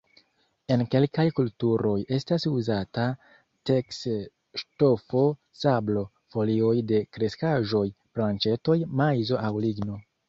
En kelkaj kulturoj estas uzata teks-ŝtofo, sablo, folioj de kreskaĵoj, branĉetoj, maizo aŭ ligno.